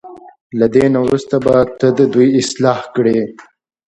له دې نه وروسته به ته د دوی اصلاح کړې.